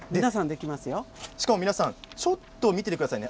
しかも皆さんちょっと見てくださいね。